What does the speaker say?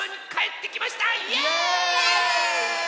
イエーイ！